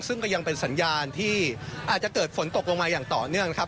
ซึ่งก็ยังเป็นสัญญาณที่อาจจะเกิดฝนตกลงมาอย่างต่อเนื่องนะครับ